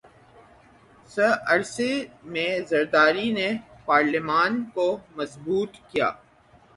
س عرصے میں زرداری نے پارلیمان کو مضبوط کیا